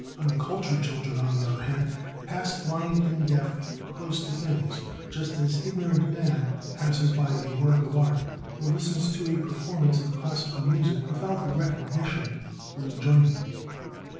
Uncultured children, on the other hand, pass blind and deaf close to things, just as an ignorant man passes by a work of art or listens to a performance of classical music without recognition or enjoyment.